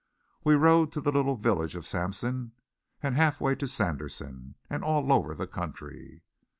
We rode to the little village of Sampson, and half way to Sanderson, and all over the country.